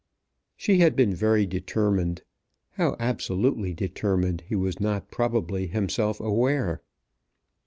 She had been very determined; how absolutely determined he was not probably himself aware.